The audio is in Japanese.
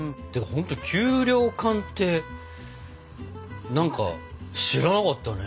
ほんと給糧艦って何か知らなかったね。